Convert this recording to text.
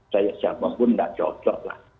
saya siapapun nggak cocok lah